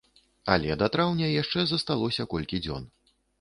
Але да траўня яшчэ засталося колькі дзён.